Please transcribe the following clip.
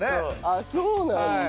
ああそうなんだ。